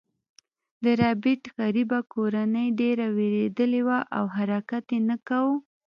د ربیټ غریبه کورنۍ ډیره ویریدلې وه او حرکت یې نه کاوه